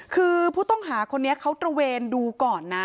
คือผู้ต้องหาคนนี้เขาตระเวนดูก่อนนะ